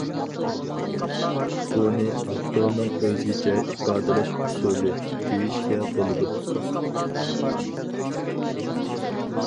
بۇنى ئاپتورنىڭ ئۆزگىچە ئىپادىلەش ئۇسۇلى، دېيىشكە بولىدۇ.